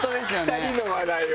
２人の話題を。